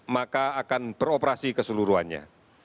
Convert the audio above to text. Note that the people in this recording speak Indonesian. maka akan beroperasi keseluruhannya